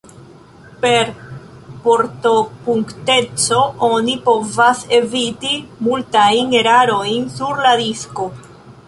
Per portopunkteco oni povas eviti multajn erarojn sur la disko.